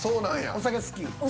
お酒好き？